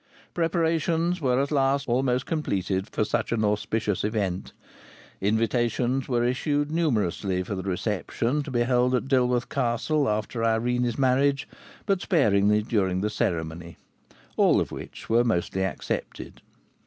Preparations were at last almost completed for such an auspicious event. Invitations were issued numerously for the reception to be held at Dilworth Castle after Irene's marriage, but sparingly during the ceremony; all of which were mostly accepted.